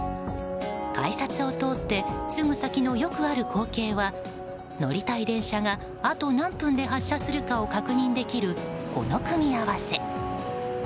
改札を通ってすぐ先のよくある光景は乗りたい電車があと何分で発車するかを確認できるこの組み合わせ。